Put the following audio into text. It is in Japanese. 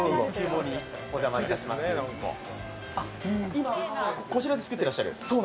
今、こちらで作っていらっしゃる？